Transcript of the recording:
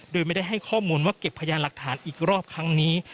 โดยไม่ได้ให้ข้อมูลว่าเก็บพยานหลักฐานอีกรอบครั้งนี้